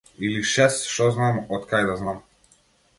Или шес, шо знам, откај да знам.